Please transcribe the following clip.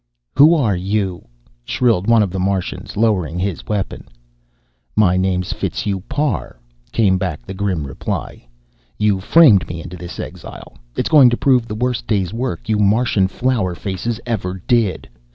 "Who arre you?" shrilled one of the Martians, lowering his weapon. "My name's Fitzhugh Parr," came back the grim reply. "You framed me into this exile it's going to prove the worst day's work you Martian flower faces ever did.